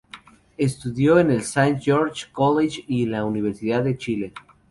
Estudió en el Saint George's College y en la Universidad de Chile.